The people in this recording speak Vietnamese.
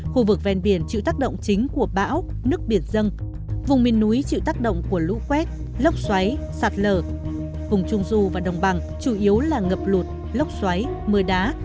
khu vực ven biển chịu tác động chính của bão nước biển dân vùng miền núi chịu tác động của lũ quét lốc xoáy sạt lở vùng trung du và đồng bằng chủ yếu là ngập lụt lốc xoáy mưa đá